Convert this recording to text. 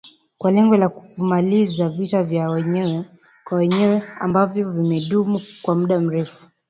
kwa lengo la kumaliza vita vya wenyewe kwa wenyewe ambavyo vimedumu kwa muda mrefu